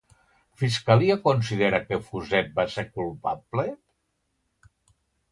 Fiscalia considera que Fuset va ser culpable?